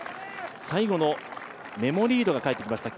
最後のメモリードが帰ってきました。